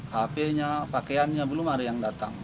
hp nya pakaiannya belum ada yang datang